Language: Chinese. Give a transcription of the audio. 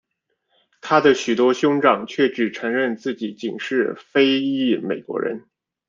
他的许多兄长却只承认自己仅是非裔美国人。